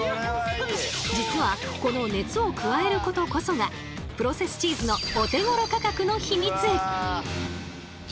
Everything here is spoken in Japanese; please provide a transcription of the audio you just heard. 実はこの熱を加えることこそがプロセスチーズのお手ごろ価格のヒミツ。